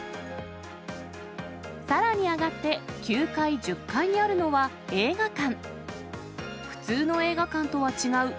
さらに上がって、９階、１０階にあるのは映画館。